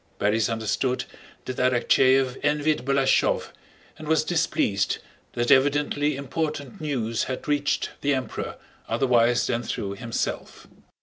(Borís understood that Arakchéev envied Balashëv and was displeased that evidently important news had reached the Emperor otherwise than through himself.)